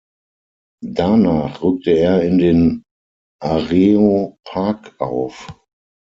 Danach rückte er in den Areopag auf.